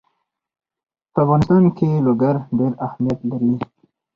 په افغانستان کې لوگر ډېر اهمیت لري.